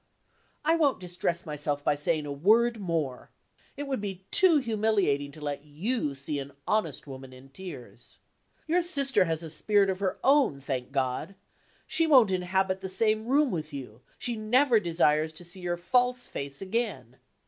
I won't distress myself by saying a word more. It would be too humiliating to let you see an honest woman in tears. Your sister has a spirit of her own, thank God! She won't inhabit the same room with you; she never desires to see your false face again.